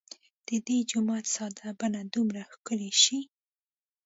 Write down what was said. د دې جومات ساده بڼه دومره ښکلې شي.